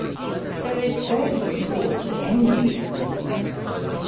There is very little cause to envy me in this matter.